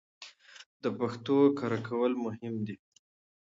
د پښتو کره کول مهم دي